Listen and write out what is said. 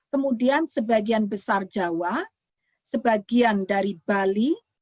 kemudian sebagian besar jawa sebagian dari bali